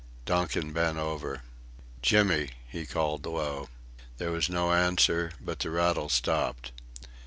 Donkin bent over. "Jimmy," he called low. There was no answer, but the rattle stopped.